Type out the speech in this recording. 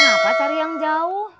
kenapa cari yang jauh